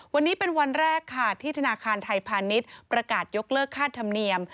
วันนี้เป็นวันแรกค่ะที่ธนาคารไทยพาณิชย์ประกาศยกเลิกค่าธรรมเนียม